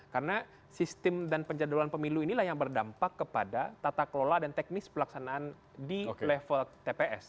karena sistem dan penjadwalan pemilu inilah yang berdampak kepada tata kelola dan teknis pelaksanaan di level tps